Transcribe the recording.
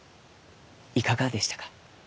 いかがでしたか？